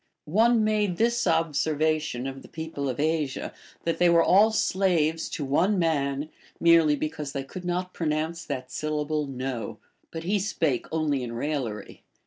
One made this observation of the people of Asia, that they were all slaves to one man, merely because they could not pronounce that syllable No ; but he spake only in raillery.